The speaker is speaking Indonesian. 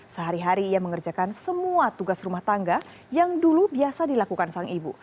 sehari hari ia mengerjakan semua tugas rumah tangga yang dulu biasa dilakukan sang ibu